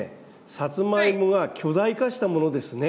サツマイモが巨大化したものですね。